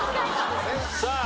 さあ。